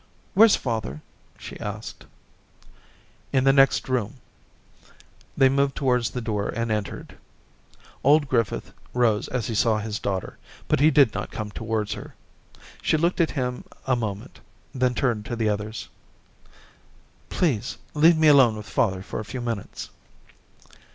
* Where's father?' she asked. * In the next room.' They moved to Daisy 273 wards the door and entered. Old Griffith rose as he saw his daughter, but he did not come towards her. She looked at him a moment, then turned to the others. * Please leave me alone with father for a few minutes.'